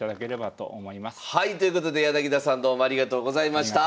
はいということで柳田さんどうもありがとうございました。